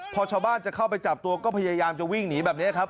พอชาวบ้านจะเข้าไปจับตัวก็พยายามจะวิ่งหนีแบบนี้ครับ